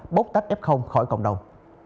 bốc tách f khỏi cộng đồng